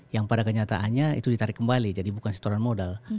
yang pada kenyataannya itu ditarik kembali jadi bukan setoran modal